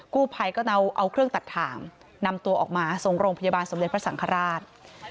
กู้ภัยก็เอาเครื่องตัดถ่างนำตัวออกมาส่งโรงพยาบาลสมเด็จพระสังฆราช